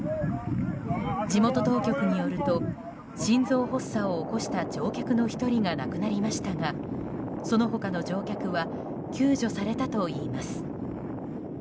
地元当局によると心臓発作を起こした乗客の１人が亡くなりましたがその他の乗客は救助されたといいます。